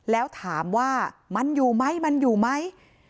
แล้วถามว่ามันอยู่ไหมมันอยู่ไหม